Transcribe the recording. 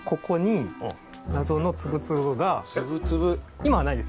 今はないですよ。